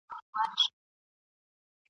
په پردي کور کي ژوند په ضرور دی !.